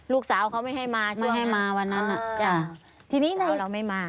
ลูกสาวเราขึ้นศาลด้วยไหม